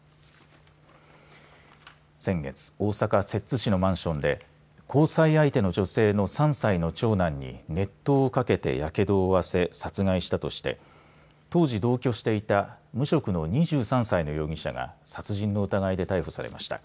先月、大阪摂津市のマンションで交際相手の女性の３歳の長男に熱湯をかけてやけどをおわせ殺害したとして当時、同居していた無職の２３歳の容疑者が殺人の疑いで逮捕されました。